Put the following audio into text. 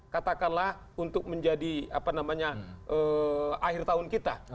katakanlah untuk menjadi akhir tahun kita